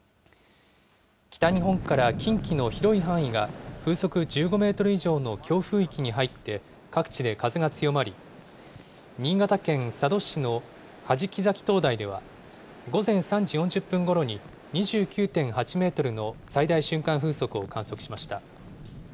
北日本から近畿の広い範囲が風速１５メートル以上の強風域に入って、各地で風が強まり、新潟県佐渡市の弾崎灯台では、午前３時４０分ごろに２９．８メートルの最大瞬間風速を観測しました。